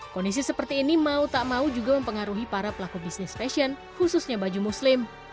kondisi seperti ini mau tak mau juga mempengaruhi para pelaku bisnis fashion khususnya baju muslim